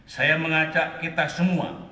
saya mengajak kita semua